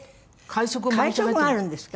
会食があるんですか？